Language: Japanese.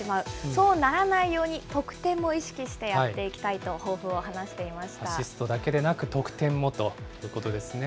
そうならないように得点も意識してやっていきたいと抱負を話してアシストだけでなく、得点もということですね。